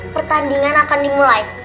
pertandingan akan dimulai